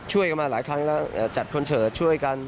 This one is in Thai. มากันมาหลายครั้งแล้วจัดคอนเสิร์ตช่วยกัน